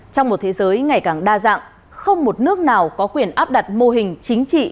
trong một thế giới ngày càng đa dạng không một nước nào có quyền áp đặt mô hình chính trị